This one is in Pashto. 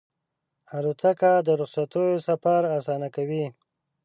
الوتکه د رخصتیو سفر اسانه کوي.